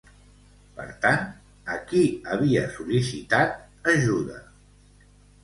Per tant, a qui havia sol·licitat ajuda?